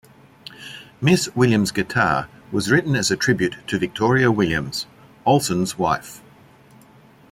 "Miss Williams' Guitar" was written as a tribute to Victoria Williams, Olson's wife.